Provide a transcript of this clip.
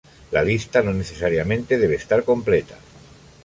La lista no necesariamente debe estar completa.